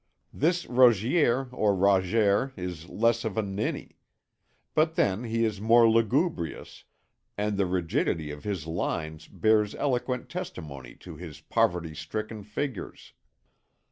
This Rogier or Roger is less of a ninny; but then he is more lugubrious, and the rigidity of his lines bears eloquent testimony to his poverty stricken figures.